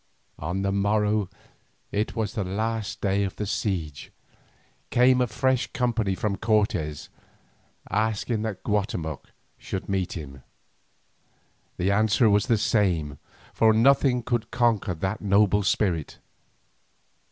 On the morrow, it was the last day of the siege, came a fresh embassy from Cortes, asking that Guatemoc should meet him. The answer was the same, for nothing could conquer that noble spirit.